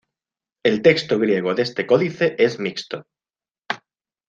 El texto griego de este códice es mixto.